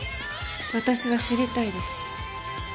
私は知りたいです